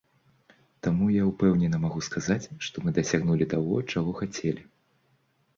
Таму я ўпэўнена магу сказаць, што мы дасягнулі таго, чаго хацелі.